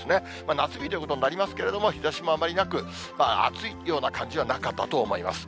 夏日ということになりますけれども、日ざしもあまりなく、暑いような感じはなかったと思います。